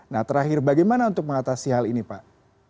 nah terakhir bagaimana untuk mengatasi hal ini pak